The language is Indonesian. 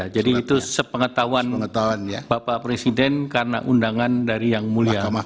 jadi itu sepengetahuan bapak presiden karena undangan dari yang mulia